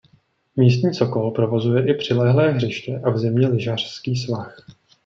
Místní Sokol provozuje i přilehlé hřiště a v zimě lyžařský svah.